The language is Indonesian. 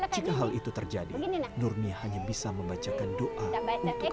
jika hal itu terjadi nurmi hanya bisa membacakan doa untuk